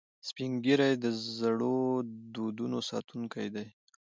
سپین ږیری د زړو دودونو ساتونکي دي